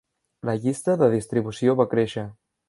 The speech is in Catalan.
La llista de distribució va créixer.